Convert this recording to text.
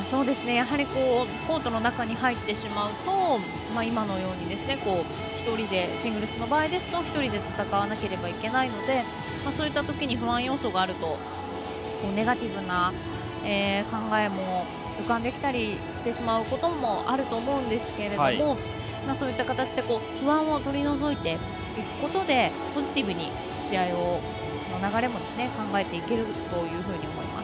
やはり、コートの中に入ってしまうと今のようにシングルスの場合ですと１人で戦わなければいけないのでそういったとき不安要素があるとネガティブな考えも浮かんできたりしてしまうこともあると思うんですがそういった形で不安を取り除いていくことでポジティブに試合の流れも考えていけると思います。